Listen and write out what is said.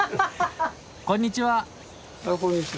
あっこんにちは。